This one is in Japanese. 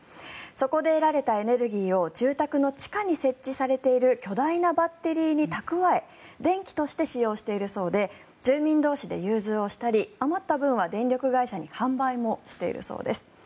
そこで得られたエネルギーを住宅の地下に設置されている巨大なバッテリーに蓄え電気として使用しているそうで住民同士で融通をしたり余った分は電力会社に販売もしているそうです。